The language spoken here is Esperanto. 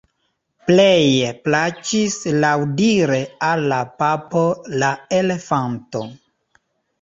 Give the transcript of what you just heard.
Pleje plaĉis laŭdire al la papo la elefanto.